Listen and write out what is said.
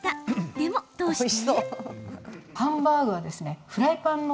でも、どうして？